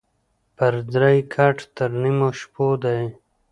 پردى کټ تر نيمو شپو دى.